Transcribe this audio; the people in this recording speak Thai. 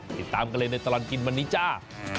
ติดตามกันเลยในตลอดกินวันนี้จ้า